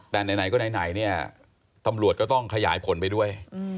แต่ไหนก็ไหนเนี่ยตำรวจก็ต้องขยายผลไปด้วย